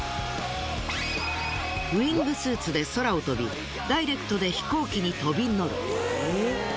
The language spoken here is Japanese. ウイングスーツで空を飛びダイレクトで飛行機に飛び乗る！！